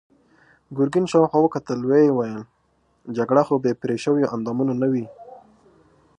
ګرګين شاوخوا وکتل، ويې ويل: جګړه خو بې پرې شويوو اندامونو نه وي.